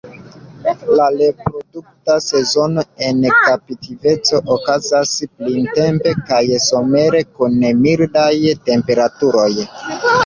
La reprodukta sezono en kaptiveco okazas printempe kaj somere kun mildaj temperaturoj.